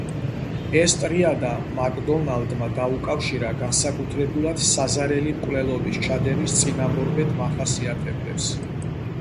ეს ტრიადა მაკდონალდმა დაუკავშირა განსაკუთრებულად საზარელი მკვლელობის ჩადენის წინამორბედ „მახასიათებლებს“.